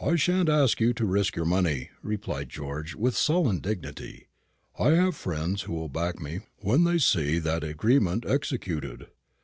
"I shan't ask you to risk your money," replied George, with sullen dignity. "I have friends who will back me when they see that agreement executed."